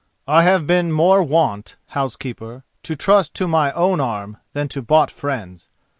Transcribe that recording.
"I have been more wont, housekeeper, to trust to my own arm than to bought friends.